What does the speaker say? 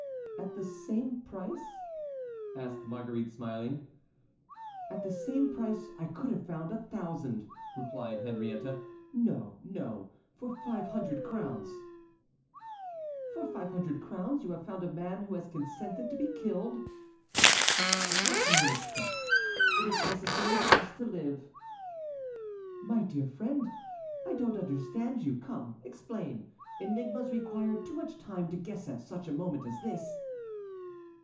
"At the same price?" asked Marguerite, smiling. "At the same price I could have found a thousand," replied Henriette, "no, no, for five hundred crowns." "For five hundred crowns you have found a man who has consented to be killed?" "What can you expect? It is necessary for us to live." "My dear friend, I do not understand you. Come, explain. Enigmas require too much time to guess at such a moment as this."